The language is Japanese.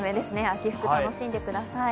秋服、楽しんでください。